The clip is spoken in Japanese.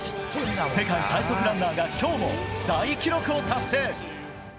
世界最速ランナーが今日も大記録を達成。